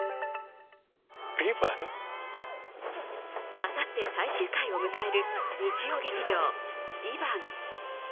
あさって最終回を迎える日曜劇場「ＶＩＶＡＮＴ」。